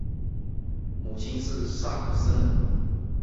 母亲是萨克森人。